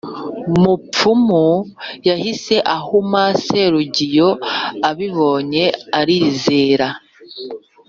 mupfumu yahise ahuma Serugiyo abibonye arizera